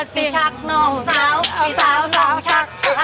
เพลงอะไรฮะสนุก